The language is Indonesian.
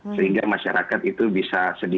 sehingga masyarakat itu bisa sedih